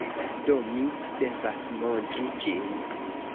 Do, mi devas montri ĝin.